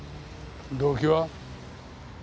動機は？